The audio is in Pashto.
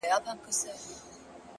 چي توري څڼي پرې راوځړوې”